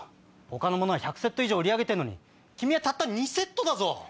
他の者は１００セット以上売り上げてるのに君はたった２セットだぞ。